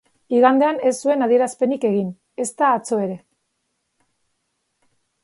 Igandean ez zuen adierazpenik egin, ezta atzo ere.